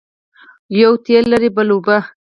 یوه تېل لري بل اوبه.